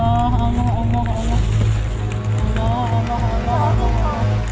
allah allah allah allah allah allah